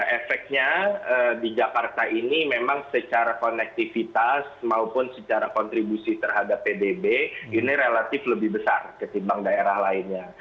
efeknya di jakarta ini memang secara konektivitas maupun secara kontribusi terhadap pdb ini relatif lebih besar ketimbang daerah lainnya